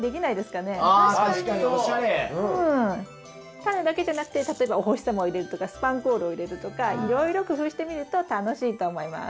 タネだけじゃなくて例えばお星様を入れるとかスパンコールを入れるとかいろいろ工夫してみると楽しいと思います。